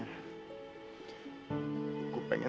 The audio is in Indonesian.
gue pengen sempat berjumpa dengan ratu